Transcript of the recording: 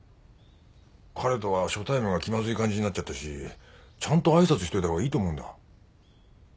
彼とは初対面が気まずい感じになっちゃったしちゃんと挨拶しといた方がいいと思うんだ。